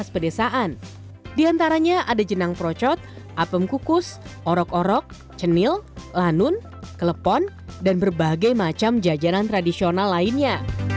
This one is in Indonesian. di antaranya ada jenang procot apem kukus orok orok cenil lanun kelepon dan berbagai macam jajanan tradisional lainnya